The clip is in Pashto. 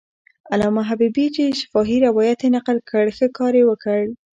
علامه حبیبي چې شفاهي روایت یې نقل کړ، ښه کار یې وکړ.